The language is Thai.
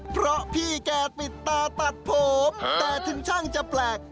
เพราะพี่แกปิดตาตัดผมแต่ถึงช่างจะแปลก